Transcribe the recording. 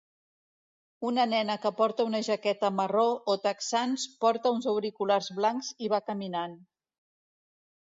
Una nena que porta una jaqueta marró o texans porta uns auriculats blancs i va caminant